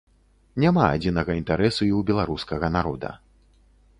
Няма адзінага інтарэсу і ў беларускага народа.